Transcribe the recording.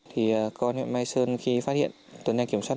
thì con huyện mai sơn khi phát hiện tuần này kiểm soát